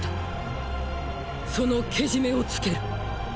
そのけじめをつける。